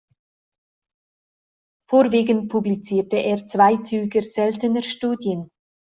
Vorwiegend publizierte er Zweizüger, seltener Studien.